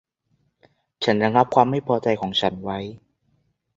ฉันระงับความไม่พอใจของฉันไว้